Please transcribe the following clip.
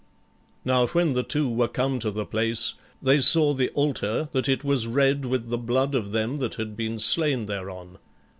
Now when the two were come to the place, they saw the altar that it was red with the blood of them that had been slain thereon.